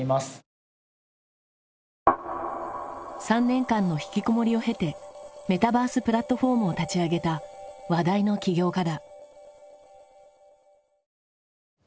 ３年間の引きこもりを経てメタバースプラットフォームを立ち上げた話題の起業家だ。